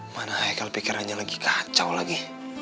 mana kalau pikirannya lagi kacau lagi